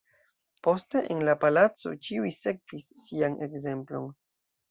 Poste, en la palaco ĉiuj sekvis Sian ekzemplon.